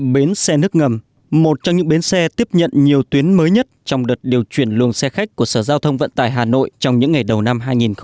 bến xe nước ngầm một trong những bến xe tiếp nhận nhiều tuyến mới nhất trong đợt điều chuyển luồng xe khách của sở giao thông vận tải hà nội trong những ngày đầu năm hai nghìn hai mươi